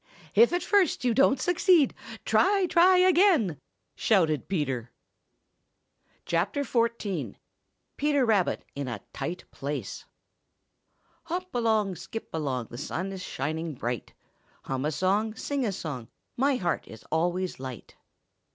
"If at first you don't succeed, try, try again!" shouted Peter Rabbit. XIV. PETER RABBIT IN A TIGHT PLACE "Hop along, skip along, The sun is shining bright; Hum a song, sing a song, My heart is always light."